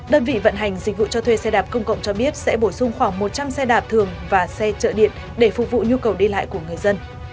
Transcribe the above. đơn vị vận hành dịch vụ cho thuê xe đạp công cộng cho biết sẽ bổ sung khoảng một trăm linh xe đạp thường và xe trợ điện để phục vụ nhu cầu đi lại của người dân